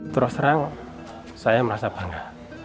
terus terang saya merasa bangga